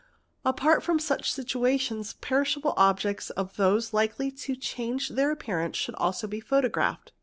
Apart from such situations perishable objects and those likely to change their appearance should also be photographed.